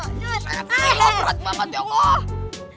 seret berat banget ya kok